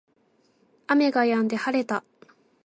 雨が止んで晴れた